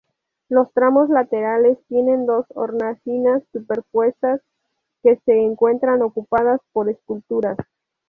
Los tramos laterales tienen dos hornacinas superpuestas, que se encuentran ocupadas por esculturas.